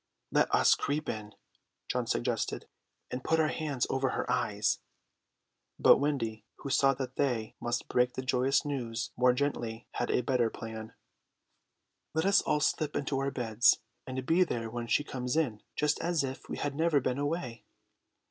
"Let us creep in," John suggested, "and put our hands over her eyes." But Wendy, who saw that they must break the joyous news more gently, had a better plan. "Let us all slip into our beds, and be there when she comes in, just as if we had never been away."